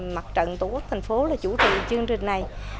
mặt trận tổ quốc thành phố là chủ trì chương trình này